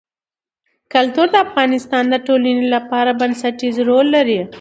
کلتور د افغانستان د ټولنې لپاره بنسټيز رول لري.